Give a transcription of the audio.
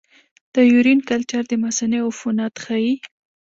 د یورین کلچر د مثانې عفونت ښيي.